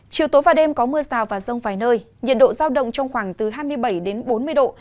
chiều tối và đêm có mưa rào và rông vài nơi nhiệt độ giao động trong khoảng từ hai mươi bảy đến bốn mươi độ